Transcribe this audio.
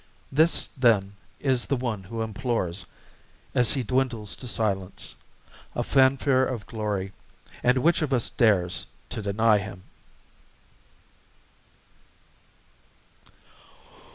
This, then, is the one who implores, as he dwindles to silence, A fanfare of glory.... And which of us dares to deny him!